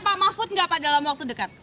dengan pak mahfud nggak pada dalam waktu dekat